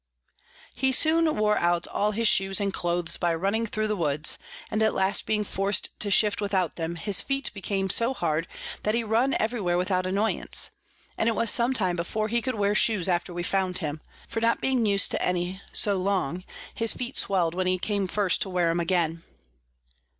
He soon wore out all his Shoes and Clothes by running thro the Woods; and at last being forc'd to shift without them, his Feet became so hard, that he run every where without Annoyance: and it was some time before he could wear Shoes after we found him; for not being us'd to any so long, his Feet swell'd when he came first to wear 'em again.